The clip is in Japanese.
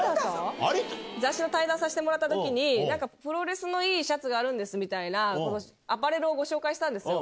雑誌の対談させてもらったときに、なんか、プロレスのいいシャツがあるんですみたいな、アパレルをご紹介したんですよ。